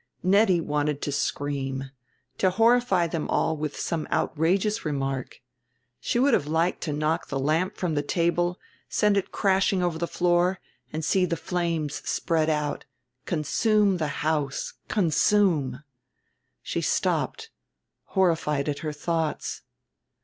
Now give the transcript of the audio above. Nettie wanted to scream, to horrify them all with some outrageous remark. She would have liked to knock the lamp from the table, send it crashing over the floor, and see the flames spread out, consume the house, consume... she stopped, horrified at her thoughts.